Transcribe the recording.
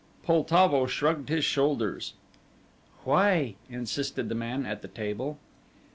Poltavo shrugged his shoulders. "Why?" insisted the man at the table.